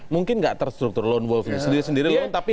mungkin tidak terstruktur lone wolf itu sendiri sendiri